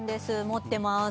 持ってます